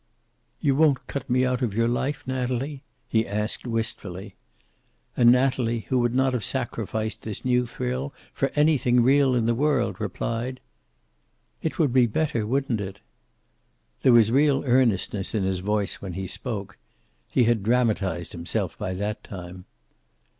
"You won't cut me out of your life, Natalie?" he asked wistfully. And Natalie, who would not have sacrificed this new thrill for anything real in the world, replied: "It would be better, wouldn't it?" There was real earnestness in his voice when he spoke. He had dramatized himself by that time.